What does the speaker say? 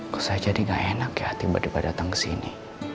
kok saya jadi gak enak ya tiba tiba datang ke sini